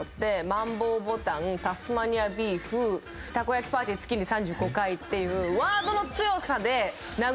「マンボウボタン」「タスマニアビーフ」「たこ焼きパーティー月に３５回」っていうワードの強さで殴りにきてるんですよね